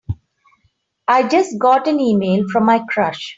I just got an e-mail from my crush!